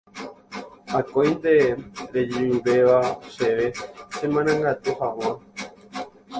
akóinte rejeruréva chéve chemarangatu hag̃ua